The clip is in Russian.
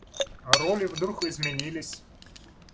Роли вдруг изменились.